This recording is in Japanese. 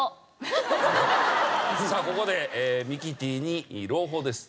さあここでミキティに朗報です。